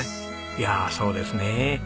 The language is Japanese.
いやあそうですねえ。